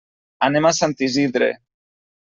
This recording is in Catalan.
Anem a Sant Isidre.